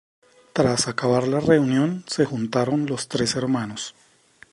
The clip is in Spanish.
Tras acabar la reunión, se juntaron los tres hermanos.